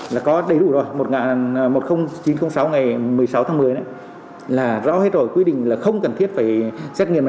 là có đầy đủ rồi một nghìn chín trăm linh sáu ngày một mươi sáu tháng một mươi là rõ hết rồi quy định là không cần thiết phải xét nghiệm này